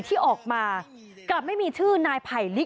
ทีนี้จากรายทื่อของคณะรัฐมนตรี